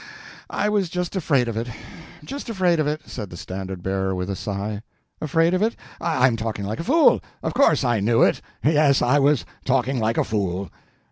"I was just afraid of it—just afraid of it," said the Standard Bearer, with a sigh. "Afraid of it? I'm talking like a fool; of course I knew it. Yes, I was talking like a fool."